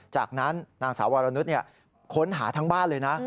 จากนั้นนางสาววรนุษย์ค้นหาทั้งบ้านเลยนะ